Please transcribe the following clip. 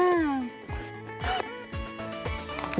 สวัสดีค่ะ